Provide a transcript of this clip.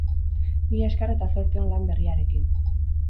Mila esker eta zorte on lan berriarekin!